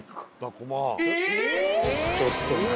ちょっと何？